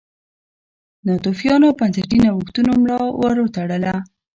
ناتوفیانو بنسټي نوښتونو ملا ور وتړله.